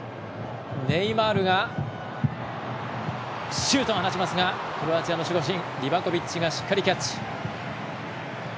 ネイマールがシュートを放ちますがクロアチアの守護神リバコビッチがしっかりキャッチ。